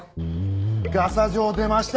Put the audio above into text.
ガサ状出ました！